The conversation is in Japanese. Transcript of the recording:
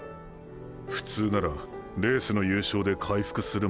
普通ならレースの優勝で回復するものだがな。